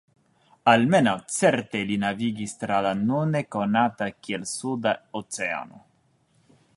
Almenaŭ certe li navigis tra la nune konata kiel Suda Oceano.